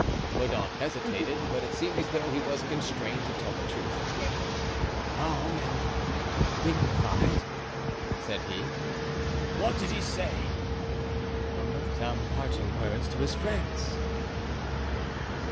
Mordaunt hesitated; but it seemed as though he was constrained to tell the truth. "Calm and dignified," said he. "What did he say?" "Some parting words to his friends."